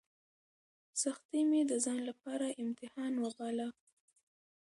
سختۍ مې د ځان لپاره امتحان وباله.